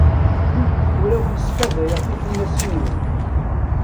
Ur awen-ssfadayeɣ tifunasin-nwen.